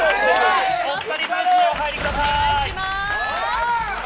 ２人でお入りください。